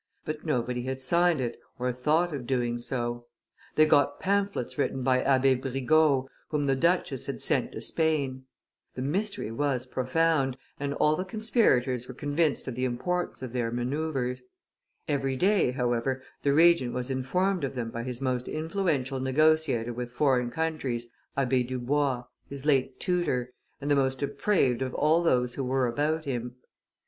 but nobody had signed it, or thought of doing so. They got pamphlets written by Abbe Brigault, whom the duchess had sent to Spain; the mystery was profound, and all the conspirators were convinced of the importance of their manoeuvres; every day, however, the Regent was informed of them by his most influential negotiator with foreign countries, Abbe Dubois, his late tutor, and the most depraved of all those who were about him.